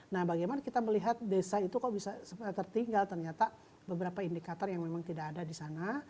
nah bagaimana kita melihat desa itu kok bisa tertinggal ternyata beberapa indikator yang memang tidak ada di sana